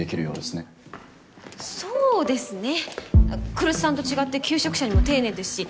あっ来栖さんと違って求職者にも丁寧ですしあっ